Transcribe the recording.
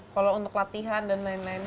kalau untuk latihan dan lain lain